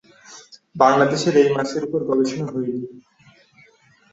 বাংলাদেশে এই মাছের উপর গবেষণা হয়নি।